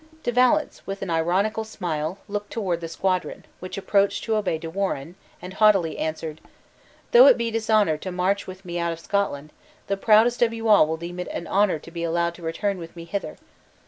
De Valence, with an ironical smile, looked toward the squadron, which approached to obey De Warenne, and haughtily answered, "Though it be dishonor to march with me out of Scotland, the proudest of you all will deem it an honor to be allowed to return with me hither.